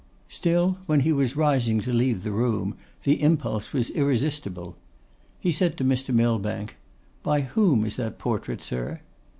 Still, when he was rising to leave the room, the impulse was irresistible. He said to Mr. Millbank, 'By whom is that portrait, sir?